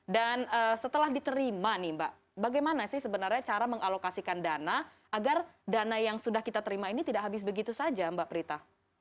dan setelah diterima nih mbak bagaimana sih sebenarnya cara mengalokasikan dana agar dana yang sudah kita terima ini tidak habis begitu saja mbak prita